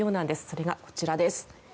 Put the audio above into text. それがこちらです。